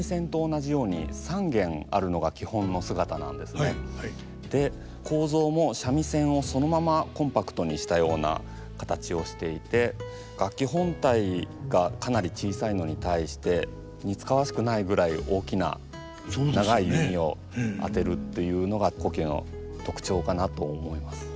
よく間違えられやすいんですが構造も三味線をそのままコンパクトにしたような形をしていて楽器本体がかなり小さいのに対して似つかわしくないぐらい大きな長い弓を当てるというのが胡弓の特徴かなと思います。